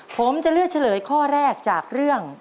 ผมจะเลือกเฉลยข้อแรกจากเรื่อง